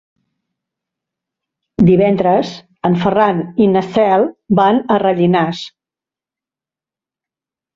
Divendres en Ferran i na Cel van a Rellinars.